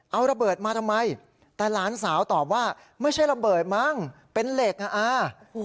เอาระเบิดมาทำไมแต่หลานสาวตอบว่าไม่ใช่ระเบิดมั้งเป็นเหล็กอ่ะอ่า